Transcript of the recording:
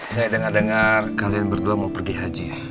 saya dengar dengar kalian berdua mau pergi haji